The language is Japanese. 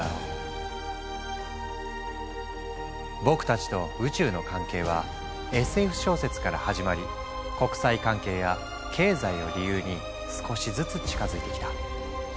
僕たちと宇宙の関係はＳＦ小説から始まり国際関係や経済を理由に少しずつ近づいてきた。